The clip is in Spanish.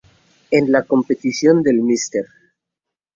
En la competición del Mr.